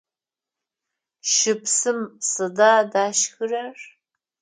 Щыпсым сыда дашхырэр?